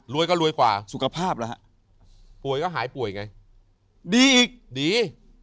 รวยกว่าสุขภาพแล้วฮะป่วยก็หายป่วยไงดีอีกดี